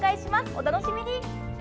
お楽しみに。